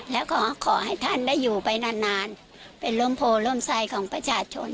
และขอให้ท่านได้อยู่ไปนานนานเป็นร่มโพล่มใสของประชาชน